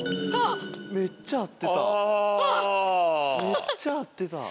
めっちゃ合ってた！